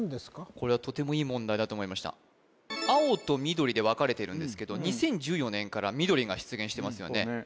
これはとてもいい問題だと思いました青と緑で分かれてるんですけど２０１４年から緑が出現してますよね